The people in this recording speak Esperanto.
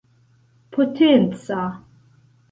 potenca